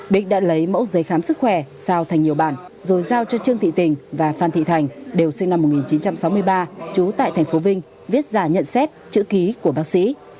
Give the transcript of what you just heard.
đích đã lấy mẫu giấy khám sức khỏe sao thành nhiều bản rồi giao cho trương thị tình và phan thị thành đều sinh năm một nghìn chín trăm sáu mươi ba trú tại tp vinh viết giả nhận xét chữ ký của bác sĩ